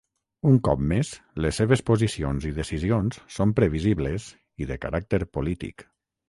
Un cop més, les seves posicions i decisions són previsibles i de caràcter polític.